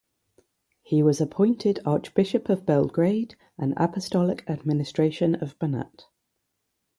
He was appointed Archbishop of Belgrade and Apostolic Administration of Banat.